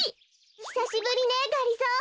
ひさしぶりねがりぞー。